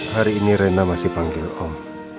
hari ini rena masih panggil om